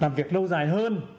làm việc lâu dài hơn